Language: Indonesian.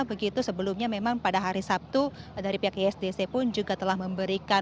begitu sebelumnya memang pada hari sabtu dari pihak isdc pun juga telah memberikan